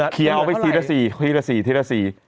เคลียร์เอาไปทีละ๔